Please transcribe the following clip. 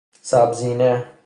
سبزینه